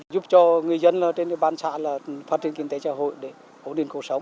giúp cho người dân trên bàn xã là phát triển kinh tế gia hội để ổn định cuộc sống